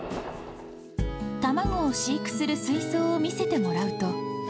卵を飼育する水槽を見せてもらうと。